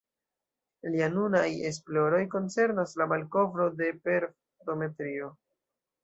Lia nunaj esploroj koncernas la malkovro de per fotometrio.